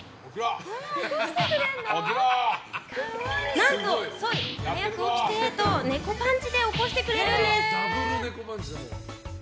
何とソイ、早く起きて！とネコパンチで起こしてくれるんです。